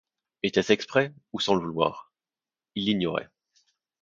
Était-ce exprès, ou sans le vouloir? il l’ignorait.